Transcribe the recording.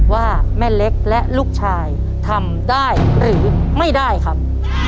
ว่าแม่เล็กและลูกชายทำได้หรือไม่ได้ครับ